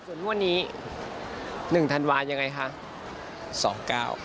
ส่วนวันนี้๑ธันวันยังไงคะ